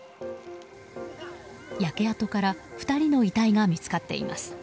焼け跡から２人の遺体が見つかっています。